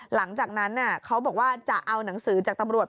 หลังจากนั้นเขาบอกว่าจะเอาหนังสือจากตำรวจ